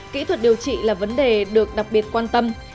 kỹ thuật điều trị là vấn đề được đặc biệt quan tâm